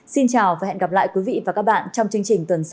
xin chào và hẹn gặp lại quý vị và các bạn trong chương trình tuần sau